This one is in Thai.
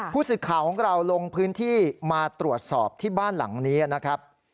ผู้สื่อข่าวของเราลงพื้นที่มาตรวจสอบที่บ้านหลังนี้นะครับ